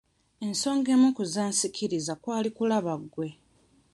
Ensonga emu ku zansikiriza kwali kulaba gwe.